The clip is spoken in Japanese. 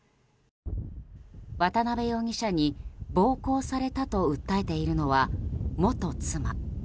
渡邉容疑者に暴行されたと訴えているのは、元妻。